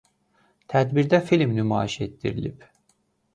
Tədbirdə film nümayiş etdirilib.